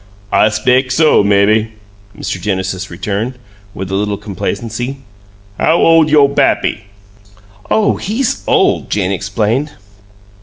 "I speck so, mebbe," Mr. Genesis returned, with a little complacency. "How ole yo' pappy?" "Oh, he's OLD!" Jane explained.